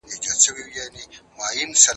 تاته در ډالۍ دی